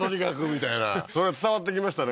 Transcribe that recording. みたいなそれが伝わってきましたね